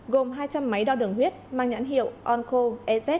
gồm hai trăm linh máy đo đường huyết mang nhãn hiệu onco ez năm